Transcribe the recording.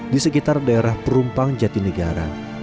di sekitar daerah perumpang jati negara